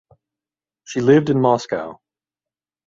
She lived in Moscow.